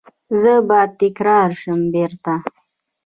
زه به تکرار شم بیرته